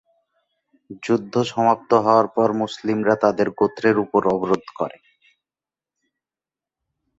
যুদ্ধ সমাপ্ত হওয়ার পর মুসলিমরা তাদের গোত্রের উপর অবরোধ করে।